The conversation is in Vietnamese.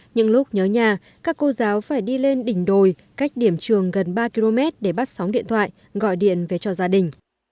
những lúc nhớ nhà các cô giáo phải đi lên đỉnh đồi cách điểm trường gần ba km để bắt sóng điện thoại gọi điện về cho gia đình